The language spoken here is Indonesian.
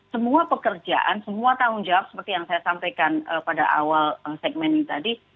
semua pekerjaan semua tanggung jawab seperti yang saya sampaikan pada awal segmen ini tadi